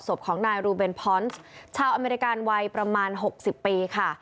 ศพของนายรูเบนพอนซ์ชาวอเมริกาวัยประมาณ๖๐ปีค่ะ